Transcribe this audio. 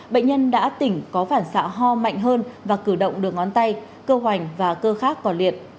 bệnh nhân đã tỉnh có phản xạ ho mạnh hơn và cử động được ngón tay cơ hoành và cơ khác còn liệt